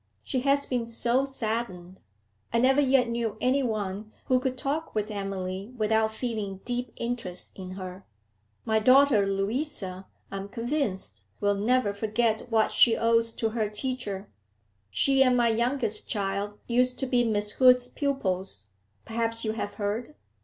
She has been so saddened. I never yet knew any one who could talk with Emily without feeling deep interest in her. My daughter Louisa, I am convinced, will never forget what she owes to her teacher She and my youngest child used to be Miss Hood's pupils perhaps you have heard?